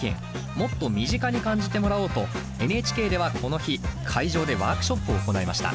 もっと身近に感じてもらおうとＮＨＫではこの日会場でワークショップを行いました。